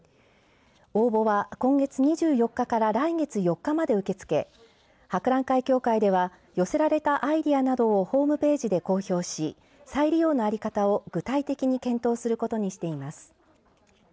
応募は、今月２４日から来月４日まで受け付け博覧会協会では寄せられたアイデアなどをホームページで公表し再利用の在り方を具体的に検討することにしています。